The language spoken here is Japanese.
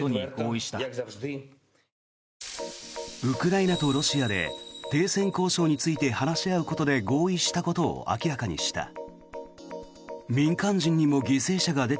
ウクライナとロシアで停戦交渉について話し合うことで合意したことを明らかにした。